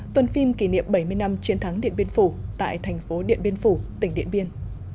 tuần phim kỷ niệm bảy mươi năm chiến thắng điện biên phủ tại thành phố điện biên phủ tỉnh điện biên